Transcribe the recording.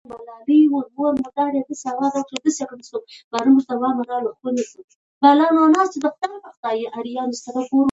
هغوی د حل لار نه غوره کوله.